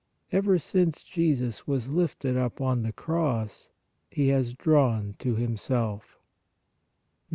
Ever since Jesus was lifted up on the cross He has drawn to Himself 1.